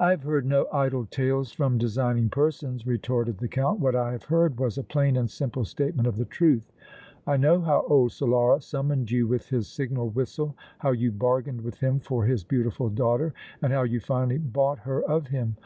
"I have heard no idle tales from designing persons," retorted the Count. "What I have heard was a plain and simple statement of the truth. I know how old Solara summoned you with his signal whistle, how you bargained with him for his beautiful daughter and how you finally bought her of him!